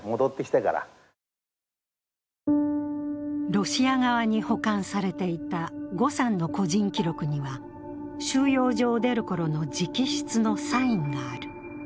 ロシア側に保管されていた呉さんの個人記録には収容所を出るころの直筆のサインがある。